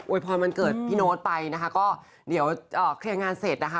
พรวันเกิดพี่โน๊ตไปนะคะก็เดี๋ยวเคลียร์งานเสร็จนะคะ